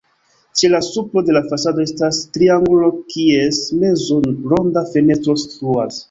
Ĉe la supro de la fasado estas triangulo, kies mezo ronda fenestro situas.